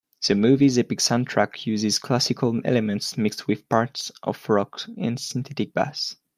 The movie's epic soundtrack uses classical elements mixed with parts of rock and synthetic bass.